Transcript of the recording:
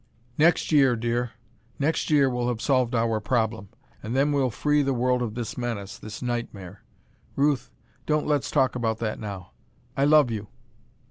"Next year, dear next year we'll have solved our problem, and then we'll free the world of this menace, this nightmare. Ruth don't let's talk about that now. I love you!"